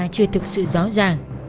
chưa thực sự rõ ràng